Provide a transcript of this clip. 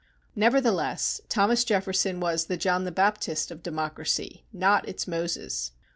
Nevertheless, Thomas Jefferson was the John the Baptist of democracy, not its Moses.